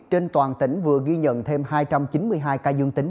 trên toàn tỉnh vừa ghi nhận thêm hai trăm chín mươi hai ca dương tính